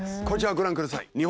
こちらご覧ください。